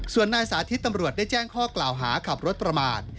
ส่วนนายสาธิตตำรวจได้แจ้งข้อกล่าวหาขับรถประมาท